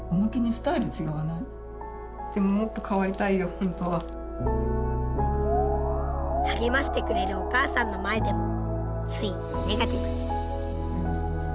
これ一応励ましてくれるお母さんの前でもついネガティブに。